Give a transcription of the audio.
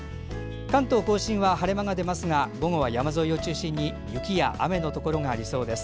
関東・甲信は晴れ間が出ますが午後は山沿いを中心に雪や雨のところがありそうです。